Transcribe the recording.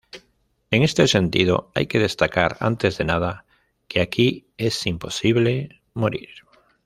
En este sentido, hay que destacar antes de nada que aquí es imposible morir.